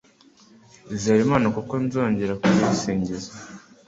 Izere Imana kuko nzongera kuyisingiza